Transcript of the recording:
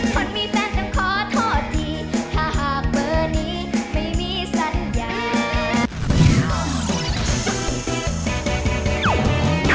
คนมีแฟนจำขอโทษดี